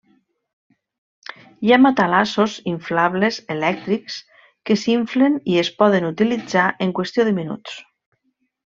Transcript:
Hi ha matalassos inflables elèctrics que s'inflen i es poden utilitzar en qüestió de minuts.